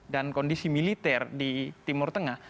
dan kondisi militer di timur tengah